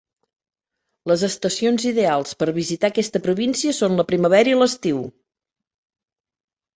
Les estacions ideals per visitar aquesta província són la primavera i l'estiu.